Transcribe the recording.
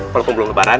walaupun belum lebaran